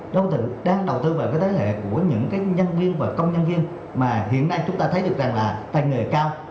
đâu tự đang đầu tư vào cái thế hệ của những cái nhân viên và công nhân viên mà hiện nay chúng ta thấy được rằng là tài nghề cao